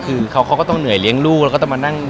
คือเขาก็ต้องเหนื่อยเลี้ยงลูกแล้วก็ต้องมานั่ง